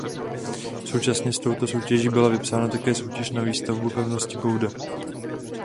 Současně s touto soutěží byla vypsána také soutěž na výstavbu pevnosti Bouda.